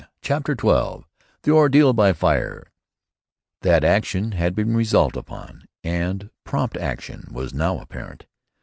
CHAPTER XII THE ORDEAL BY FIRE That action had been resolved upon, and prompt action, was now apparent.